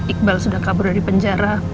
iqbal sudah kabur dari penjara